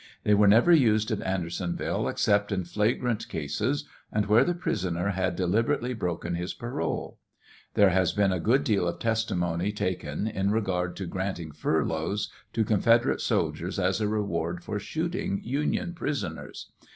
They were never used at Andersonville except in flagrant cases and where the prisoner had deliberately broken his parole. Tliere has been a good deal of testimony taken in regard to granting furloughs to con federate soldiers as a reward for shooting Union prisoners.